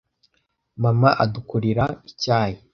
Mama adukorera icyayi.